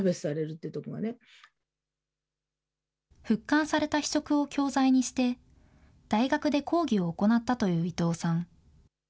復刊された非色を教材にして、大学で講義を行ったという伊藤さん。